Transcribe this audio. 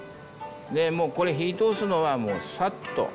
でもうこれ火通すのはもうサッと。